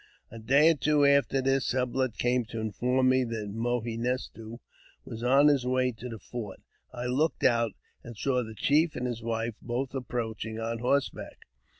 A day or two after this. Sublet came to inform me tha Mo he nes to was on his way to the fort. I looked out, and saw the chief and his wife both approaching on horseback.